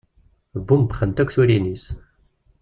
Bumebbxent akk turin-is.